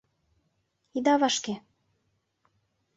Ида вашке.